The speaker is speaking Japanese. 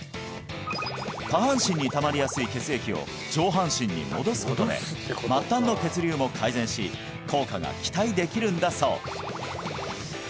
下半身にたまりやすい血液を上半身に戻すことで末端の血流も改善し効果が期待できるんだそう